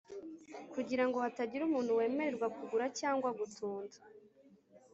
kugira ngo hatagira umuntu wemererwa kugura cyangwa gutunda,